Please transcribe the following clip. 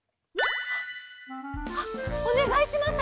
あっおねがいします。